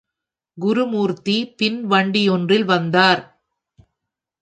குருமூர்த்தி பின் வண்டி ஒன்றில் வந்தார்.